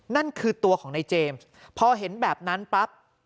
นั่นคือตัวของนายเจมส์พอเห็นแบบนั้นปั๊บ